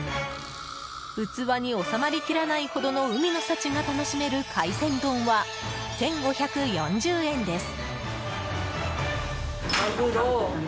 器に収まりきらないほどの海の幸が楽しめる海鮮丼は、１５４０円です。